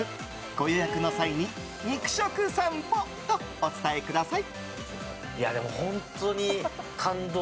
ご予約の際に「肉食さんぽ」とお伝えください！